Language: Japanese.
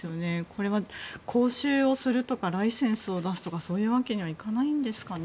これは講習をするとかライセンスを出すとかそういうわけにはいかないんですかね。